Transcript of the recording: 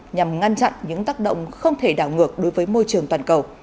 nhằm ngăn chặn những tác động không thể đảo ngược đối với môi trường toàn cầu